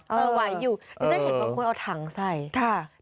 เออไหวอยู่นี่ฉันเห็นบางคนเอาถังใส่